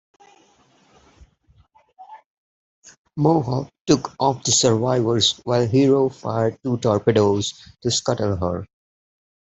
"Mohawk" took off the survivors while "Hero" fired two torpedoes to scuttle her.